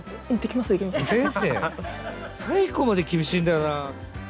最後まで厳しいんだよな。